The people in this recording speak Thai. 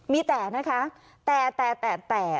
มีแต่นะคะแต่แต่แต่แต่